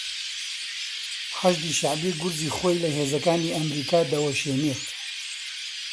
حەشدی شەعبی گورزی خۆی لە هێزەکانی ئەمەریکا دەوەشێنێت.